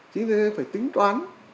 chính là phải tính toán